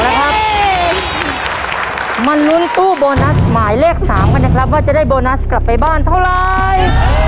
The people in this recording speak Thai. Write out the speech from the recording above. ออกแล้วครับมันนุนตู้โบนัสหมายเลขสามก็ได้ครับว่าจะได้โบนัสกลับไปบ้านเท่าไร